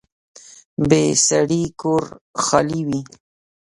بې سړي کور خالي وي